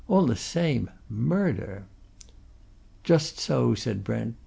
All the same murder!" "Just so," said Brent.